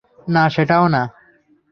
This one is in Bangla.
না, সেটাও না।